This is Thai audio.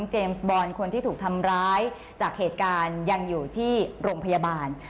บอลคนที่ถูกทำร้ายจากเหตุการณ์ยังอยู่ที่โรงพยาบาล